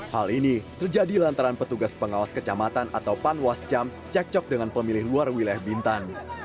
hal ini terjadi lantaran petugas pengawas kecamatan atau panwascam cekcok dengan pemilih luar wilayah bintan